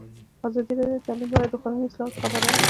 ازادي راډیو د تعلیم په اړه د قانوني اصلاحاتو خبر ورکړی.